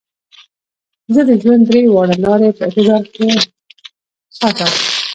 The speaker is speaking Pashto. زۀ د ژوند درې واړه لارې پۀ اعتدال کښې ساتم -